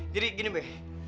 jadi gini be